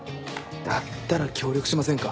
だったら協力しませんか？